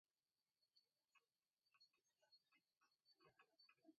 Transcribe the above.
Мемнан шуктышаш пашана коммунизм огыл мо?